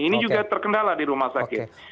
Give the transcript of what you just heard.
ini juga terkendala di rumah sakit